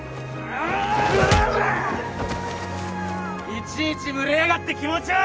いちいち群れやがって気持ち悪いなぁ！